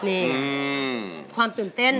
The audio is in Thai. นี่ไงความตื่นเต้น